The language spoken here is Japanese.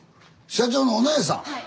社長のお姉さん⁉・はい。